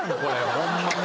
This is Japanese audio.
ホンマに。